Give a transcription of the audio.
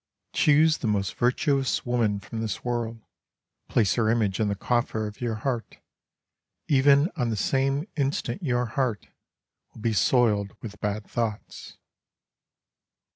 Choose the most virtuous woman from this world. Place her image in the coffer of your heart, Even on the same instant your heart Will be soiled with bad thoughts.